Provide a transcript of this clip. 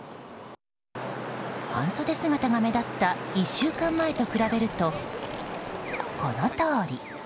半袖姿が目立った１週間前と比べると、このとおり。